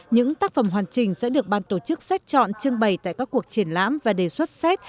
những tác phẩm hoàn chỉnh sẽ được ban tổ chức xét chọn trưng bày tại các cuộc triển lãm và đề xuất xét